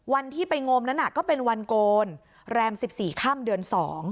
วันที่ไปงมนั้นก็เป็นวันโกนแรม๑๔ค่ำเดือน๒